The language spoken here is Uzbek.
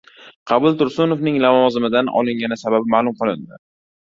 Qabul Tursunovning lavozimidan olingani sababi ma’lum qilindi